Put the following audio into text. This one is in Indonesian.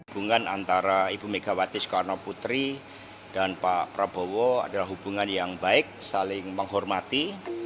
hubungan antara ibu megawati soekarno putri dan pak prabowo adalah hubungan yang baik saling menghormati